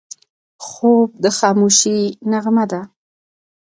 خوب د خاموشۍ نغمه ده